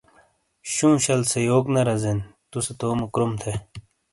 شُوں شَل سے یوک نہ رَزین، تُوسے تومو کروم تھے۔